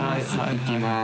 いきます